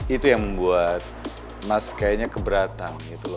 itu yang membuat mas kayaknya keberatan gitu loh